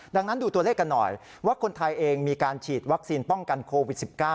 ดังนั้นดูตัวเลขกันหน่อยว่าคนไทยเองมีการฉีดวัคซีนป้องกันโควิด๑๙